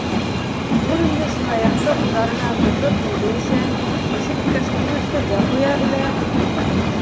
Ул инде сынаяҡты ҡулдары менән тотоп үҙе эсә, эсеп бөткәс кире өҫтәлгә ҡуя белә.